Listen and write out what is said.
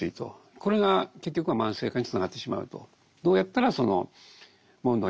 これが結局は慢性化につながってしまうと。